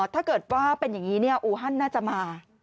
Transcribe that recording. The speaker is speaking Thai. ถ้าเกิดว่าเป็นอย่างนี้อูฮันน่าจะมา